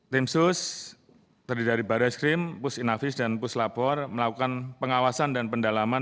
tim sus terdiri dari baris krim pus inavis dan puslapor melakukan pengawasan dan pendalaman